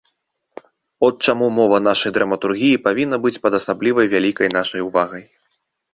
От чаму мова нашай драматургіі павінна быць пад асаблівай вялікай нашай увагай.